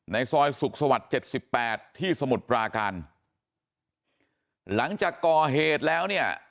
ในซอยสุขศวรรษ๗๘ที่สมุทรปราการหลังจากก่อเหตุแล้ว